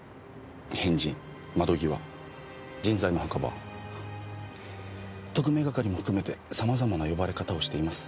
変人窓際人材の墓場特命係も含めて様々な呼ばれ方をしています。